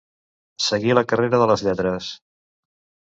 Seguir la carrera de les lletres.